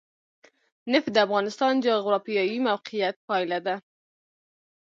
نفت د افغانستان د جغرافیایي موقیعت پایله ده.